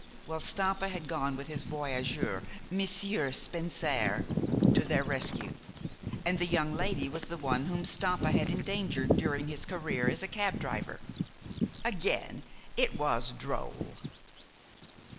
Well, Stampa had gone with his voyageur, Monsieur Spensare, to their rescue. And the young lady was the one whom Stampa had endangered during his career as a cab driver. Again, it was droll.